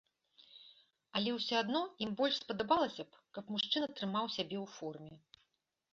Але ўсё адно ім больш спадабалася б, каб мужчына трымаў сябе ў форме.